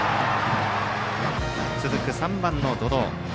続く３番の百々。